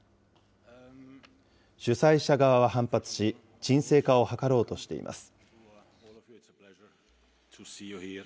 主催者側は反発し、沈静化を図ろうとしています。